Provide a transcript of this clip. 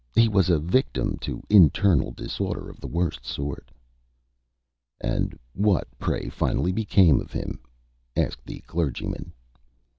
He was a victim to internal disorder of the worst sort." "And what, pray, finally became of him?" asked the Clergyman.